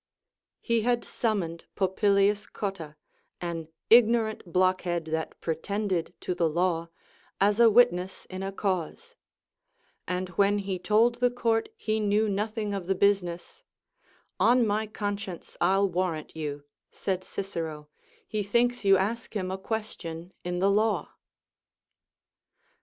He had sum moned Popilius Cotta, an ignorant blockhead that pretended to the law, as a witness in a cause ; and Avhen he told the court he knew nothing of the business, On my conscience, I'll warrant you, said Cicero, he thinks you ask him a question in the law.